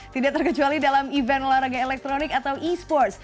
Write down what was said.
tidak terkecuali dalam event olahraga elektronik atau e sports